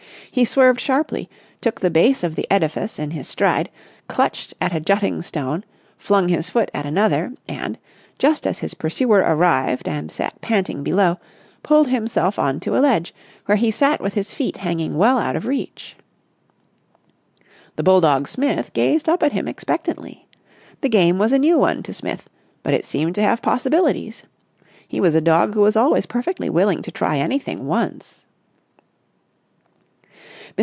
He swerved sharply, took the base of the edifice in his stride, clutched at a jutting stone, flung his foot at another, and, just as his pursuer arrived and sat panting below, pulled himself on to a ledge, where he sat with his feet hanging well out of reach. The bulldog Smith, gazed up at him expectantly. The game was a new one to Smith, but it seemed to have possibilities. He was a dog who was always perfectly willing to try anything once.